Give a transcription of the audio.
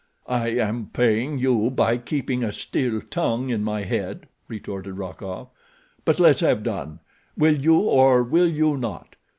"I am paying you by keeping a still tongue in my head," retorted Rokoff. "But let's have done. Will you, or will you not?